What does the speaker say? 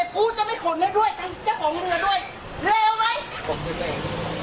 กูจะไม่ขนได้ด้วยทั้งเจ้าของมือด้วยเลวไหม